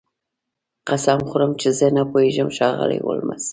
قسم خورم چې زه نه پوهیږم ښاغلی هولمز